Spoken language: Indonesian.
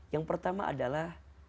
yang pertama adalah